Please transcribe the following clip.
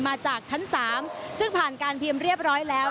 มาจากชั้น๓ซึ่งผ่านการพิมพ์เรียบร้อยแล้ว